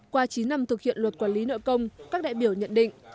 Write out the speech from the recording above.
qua chín năm thực hiện luật quản lý nợ công các đại biểu nhận định